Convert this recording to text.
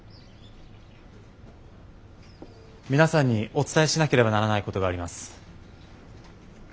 皆さんにお伝えしなければならないことがあります。